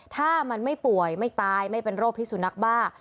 ถ้ามันไม่ป่วยไม่ตายไม่เป็นโรคพิสุนักบ้า